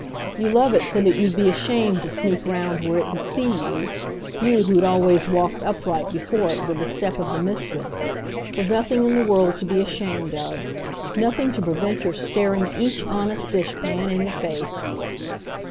You love it so that you'd be ashamed to sneak round where it could see you you who'd always walked upright before it with the step of the mistress; with nothing in the world to be ashamed of; nothing to prevent your staring each honest dish pan in the face!